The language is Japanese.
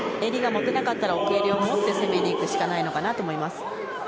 襟が持てなかったら奥襟を持って攻めに行くしかないのかなと思います。